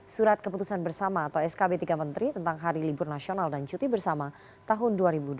surat keputusan bersama atau skb tiga menteri tentang hari libur nasional dan cuti bersama tahun dua ribu dua puluh